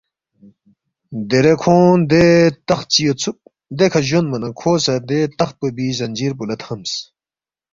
دیرے کھونگ دے تخت چی یودسُوک دیکھہ جونما نہ کھو سہ دے تخت پو بی زنجیر پو لہ تھمس